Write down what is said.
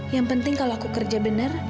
yang penting kalau aku kerja benar